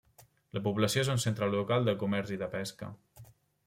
La població és un centre local de comerç i de pesca.